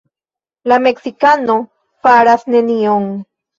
La meksikano faras nenion.